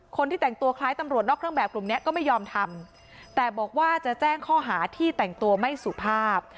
คนที่แต่งตัวคล้ายตำรวจนอกเครื่องแบบกลุ่มเนี้ยก็ไม่ยอมทำแต่บอกว่าจะแจ้งข้อหาที่แต่งตัวไม่สุภาพ